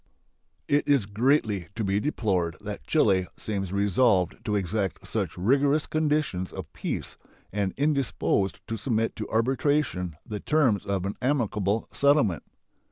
It is greatly to be deplored that Chile seems resolved to exact such rigorous conditions of peace and indisposed to submit to arbitration the terms of an amicable settlement.